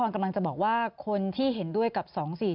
คุณนัทพรกำลังจะบอกว่าคุณที่เห็นด้วยกับ๒๔๗๕